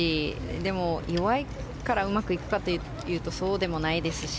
でも弱いからうまくいくかというとそうでもないですし。